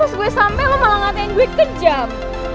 terus pas gue sampe lo malah ngatain gue kejam